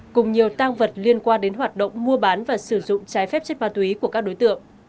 cùng nhiều tăng vật liên quan đến hoạt động mua bán và sử dụng trái phép chất ma túy của các đối tượng